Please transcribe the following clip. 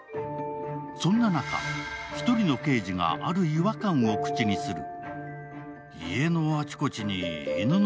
そんな中、１人の刑事がある違和感を口にする。